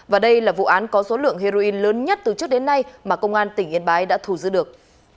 và đây là vụ án có số lượng heroin lớn nhất từ trước đến nay mà công an tỉnh yên bái đã thù giữ được